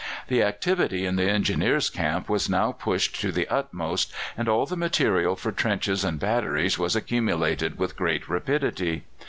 The activity in the Engineers' camp was now pushed to the utmost, and all the material for trenches and batteries was accumulated with great rapidity.